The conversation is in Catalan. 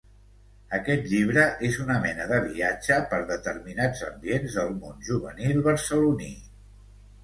Aquest llibre és una mena de viatge per determinats ambients del món juvenil barceloní.